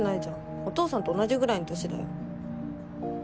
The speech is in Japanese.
お父さんと同じぐらいの年だよ。